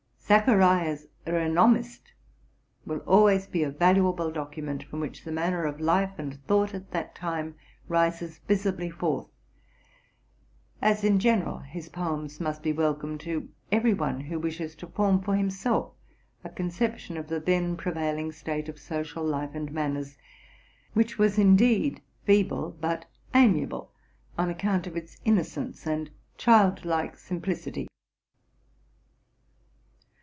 Zacharia's '' Renommist'' will always be a valuable document, from which the manner of life and thought at that time rises visibly forth; as in gen eral his poems must be welcome to every one who w ishes to form for himself a conception of the then prevailing state of social life and manners, which was indeed feeble, but amia ble on account of its innocence and child like simplicity.